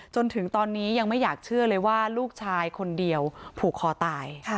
จนถึงตอนนี้ยังไม่อยากเชื่อเลยว่าลูกชายคนเดียวผูกคอตาย